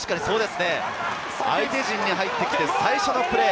相手陣内に入ってきて最初のプレー。